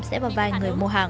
sẽ vào vai người mô hàng